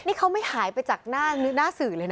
นี่เขาไม่หายไปจากหน้าสื่อเลยนะ